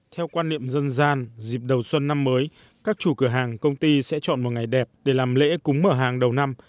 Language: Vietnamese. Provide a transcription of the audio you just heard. theo quan niệm dân gian dịp đầu xuân năm mới các chủ cửa hàng công ty sẽ chọn một ngày đẹp để làm lễ cúng mở hàng đầu năm